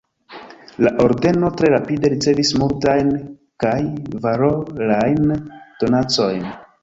La ordeno tre rapide ricevis multajn kaj valorajn donacojn.